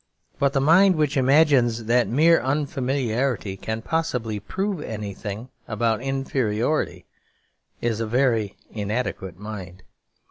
But the mind which imagines that mere unfamiliarity can possibly prove anything about inferiority is a very inadequate mind.